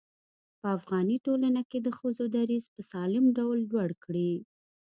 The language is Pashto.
په افغاني ټولنه کې د ښځو دريځ په سالم ډول لوړ کړي.